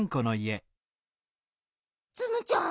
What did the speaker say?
ツムちゃん